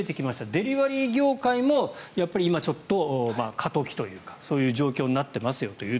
デリバリー業界も今ちょっと過渡期というかそういう状況になってます。